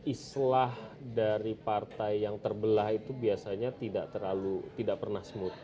islah dari partai yang terbelah itu biasanya tidak terlalu tidak pernah smooth